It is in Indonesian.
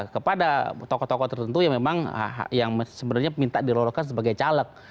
kepada tokoh tokoh tertentu yang memang yang sebenarnya minta dilolohkan sebagai caleg